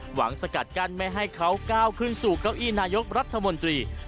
สกัดกั้นไม่ให้เขาก้าวขึ้นสู่เก้าอี้นายกรัฐมนตรี